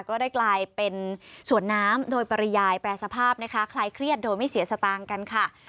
ก็ได้กลายเป็นสวนน้ำโดยปริยายแปรสภาพนะคะคลายเครียดโดยไม่เสียสตางค์กันค่ะ